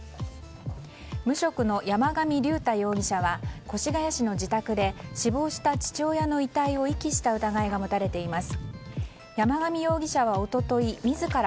無職の山上竜太容疑者は越谷市の自宅で死亡した父親の遺体を遺棄した疑いが持たれています。